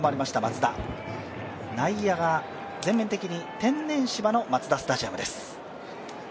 内野が全面的に天然芝のマツダスタジアムです。